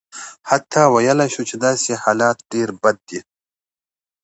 حتی ویلای شو چې داسې حالت ډېر بد دی.